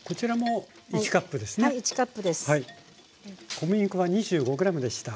小麦粉は２５ｇでした。